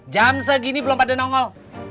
jam segini belum ada nongol